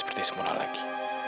seperti semula lagi